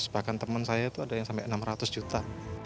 bahkan teman saya itu ada yang sampai enam ratus juta